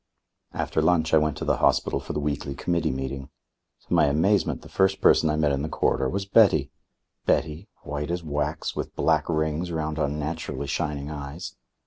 After lunch I went to the hospital for the weekly committee meeting. To my amazement the first person I met in the corridor was Betty Betty, white as wax, with black rings round unnaturally shining eyes.